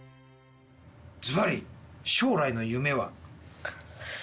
ずばり、将来の夢は？